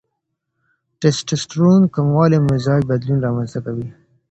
ټیسټسټرون کموالی مزاج بدلون رامنځته کوي.